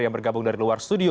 yang bergabung dari luar studio